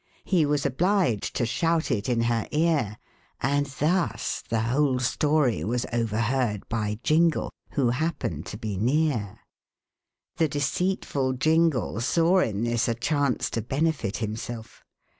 He was obliged to shout it in her ear, and thus the whole story was overheard by Jingle, who happened to be near. The deceitful Jingle saw in this a chance to benefit himself.